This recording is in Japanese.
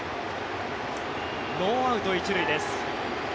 ノーアウト１塁です。